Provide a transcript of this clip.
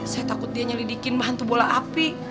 saya takut dia nyelidikin bahan tuh bola api